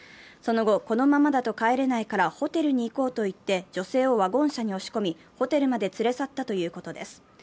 その後、このままだと帰れないからホテルに行こうと言って女性をワゴン車に押し込みホテルまで連れ去ったということです。